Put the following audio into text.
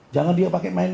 jangan dia pakai mainan